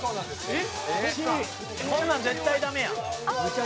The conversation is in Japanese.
「こんなん絶対ダメやん」